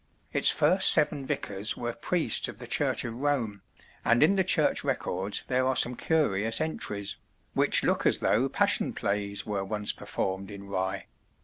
Its first seven vicars were priests of the Church of Rome, and in the church records there are some curious entries, which look as though Passion plays were once performed in Rye.